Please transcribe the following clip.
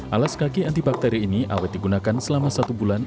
alas kaki antibakteri ini awet digunakan selama satu bulan